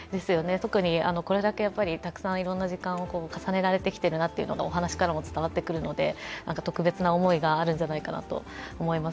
特にこれだけたくさんいろんな時間を重ねられてるなっていうのはお話からも伝わってくるのでの、特別な思いがあるんじゃないかと思います。